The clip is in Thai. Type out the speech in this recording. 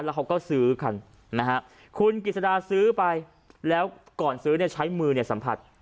แล้วเขาก็ซื้อกันนะฮะคุณกิจสดาซื้อไปแล้วก่อนซื้อเนี่ยใช้มือเนี่ยสัมผัส